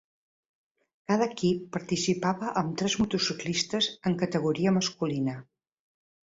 Cada equip participava amb tres motociclistes en categoria masculina.